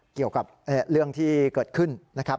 เกี่ยวกับเรื่องที่เกิดขึ้นนะครับ